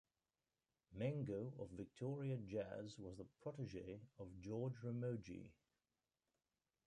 Mengo of Victoria Jazz was a protege of George Ramogi.